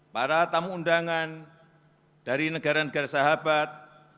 para tamu undangan dari negara negara sahabat